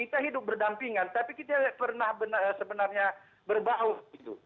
kita hidup berdampingan tapi kita pernah sebenarnya berbau